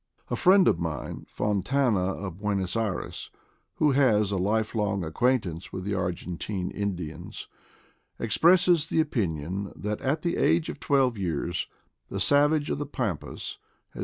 A friend of mine, Fontana of Buenos Ayres, who has a life long acquaintance with the Argen tine Indians, expresses the opinion that at the age of twelve yeaKHfee. savage of the Pampas has.